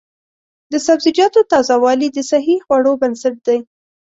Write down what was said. د سبزیجاتو تازه والي د صحي خوړو بنسټ دی.